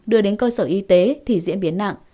đưa đến cơ sở y tế thì diễn biến nặng